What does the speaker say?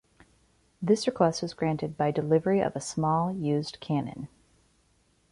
This request was granted by delivery of a small used cannon.